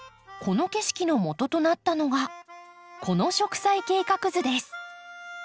この景色のもととなったのがこの植栽計画図です。